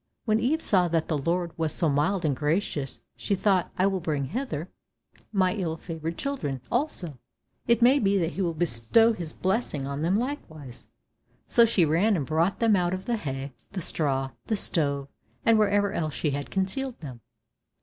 When Eve saw that the Lord was so mild and gracious, she thought, "I will bring hither my ill favoured children also, it may be that he will bestow his blessing on them likewise." So she ran and brought them out of the hay, the straw, the stove, and wherever else she had concealed them.